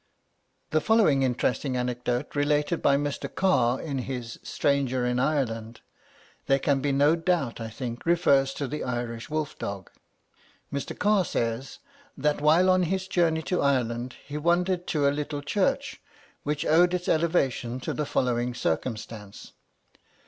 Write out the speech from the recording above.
The following interesting anecdote, related by Mr. Carr in his "Stranger in Ireland," there can be no doubt, I think, refers to the Irish wolf dog. Mr. Carr says, that while on his journey to Ireland he "wandered to a little church, which owed its elevation to the following circumstance.